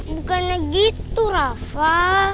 bukannya gitu rafa